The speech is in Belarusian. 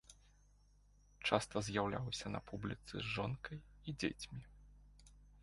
Часта з'яўляўся на публіцы з жонкай і дзецьмі.